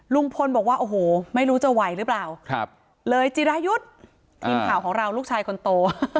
ลุงพลบอกว่าโอ้โหไม่รู้จะไหวหรือเปล่าเลยจิรายุทธ์ทีมข่าวของเราลูกชายคนโต